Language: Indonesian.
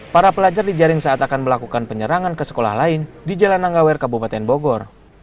para pelajar dijaring saat akan melakukan penyerangan ke sekolah lain di jalan anggawer kabupaten bogor